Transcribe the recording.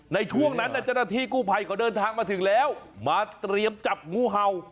ในช่วงนั้นจนที่กู้ไพ่ก็เดินทางมาถึงแล้วมาเตรียมจับงูเห่า